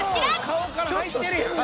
顔から入ってるやん。